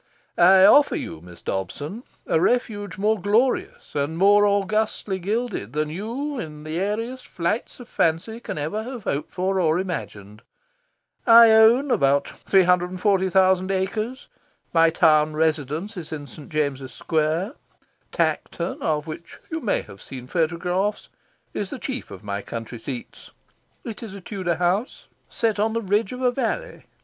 I offer you, Miss Dobson, a refuge more glorious and more augustly gilded than you, in your airiest flights of fancy, can ever have hoped for or imagined. I own about 340,000 acres. My town residence is in St. James's Square. Tankerton, of which you may have seen photographs, is the chief of my country seats. It is a Tudor house, set on the ridge of a valley.